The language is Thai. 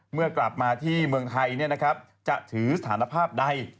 เมื่อกลับมาที่เมืองไทยจะถือสถานภาพใด